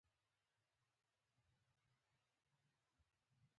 د ماشوم د خبرو لپاره له هغه سره خبرې وکړئ